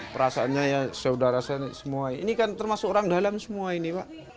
perasaannya saudara saya ini kan termasuk orang dalam semua ini